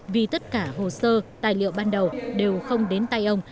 vì tất cả hồ sơ tài liệu ban đầu đều không đến tay ông